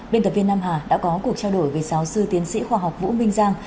biên tập viên nam hà đã có cuộc trao đổi với giáo sư tiến sĩ khoa học vũ minh giang